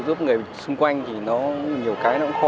thôi thôi chị chứng kiến cho chị